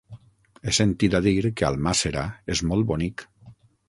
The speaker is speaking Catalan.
He sentit a dir que Almàssera és molt bonic.